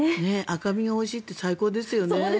赤身がおいしいって最高ですよね。